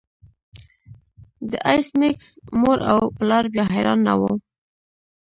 د ایس میکس مور او پلار بیا حیران نه وو